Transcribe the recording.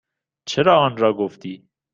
چرا آنرا گفتی؟